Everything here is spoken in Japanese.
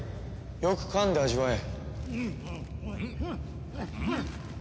よくかんで味わえ。